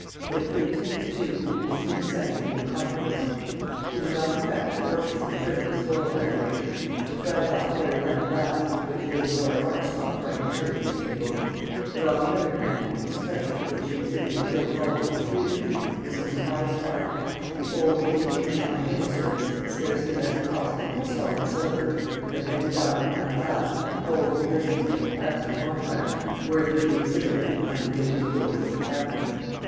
He had good taste too, and a keen sense of the incongruous. He did not affect the orchids and frivolous floral decorations, the fragile fairy like glass, with which Lady Laura Armstrong brightened her dinner table; but, on the other hand, his plate, of which he exhibited no vulgar profusion, was in the highest art, the old Indian china dinner service scarcely less costly than solid silver, and the heavy diamond cut glass, with gold emblazonment of crest and monogram, worthy to be exhibited behind the glazed doors of a cabinet.